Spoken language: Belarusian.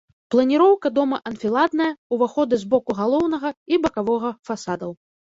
Планіроўка дома анфіладная, уваходы з боку галоўнага і бакавога фасадаў.